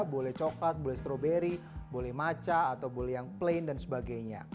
boleh coklat boleh stroberi boleh maca atau boleh yang plain dan sebagainya